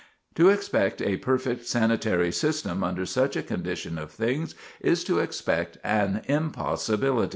To expect a perfect sanitary system, under such a condition of things, is to expect an impossibility."